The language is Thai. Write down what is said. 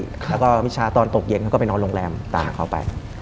แล้วก็มิชาตอนตกเย็นเขาก็ไปนอนโรงแรมตามเขาไป